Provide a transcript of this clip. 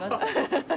ハハハハ。